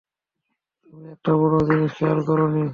তুমি একটা বড় জিনিস খেয়াল করোনি।